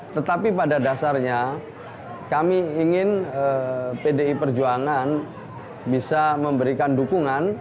tetapi pada dasarnya kami ingin pdi perjuangan bisa memberikan dukungan